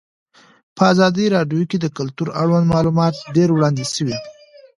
په ازادي راډیو کې د کلتور اړوند معلومات ډېر وړاندې شوي.